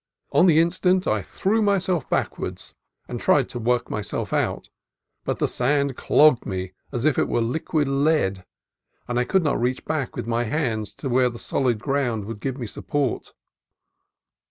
On the in stant I threw myself backward, and tried to work myself out, but the sand clogged me as if it were liquid lead, and I could not reach back with my hands to where the solid ground would give me sup port.